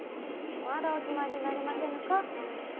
まだお決まりになりませぬか？